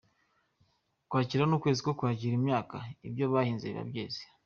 Ukwakira : Ni ukwezi ko kwakira imyaka ibyo bahinze biba byeze.